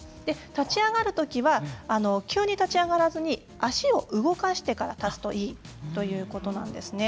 立ち上がる時は急に立ち上がらずに足を動かしてから立つといいということなんですね。